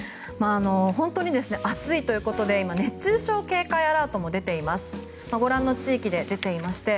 本当に暑いということで今、熱中症警戒アラートもご覧の地域で出ていまして。